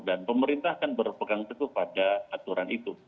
dan pemerintah akan berpegang teguh pada aturan itu